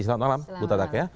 selamat malam bu tatak